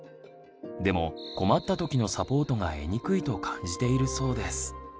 でも困った時のサポートが得にくいと感じているそうです。